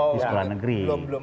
di sekolah negeri